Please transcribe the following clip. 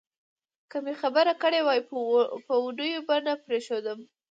که مې خبر کړي وای په اوونیو به نه پرېښودو.